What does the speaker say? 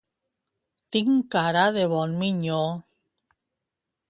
Tinc cara de bon minyó.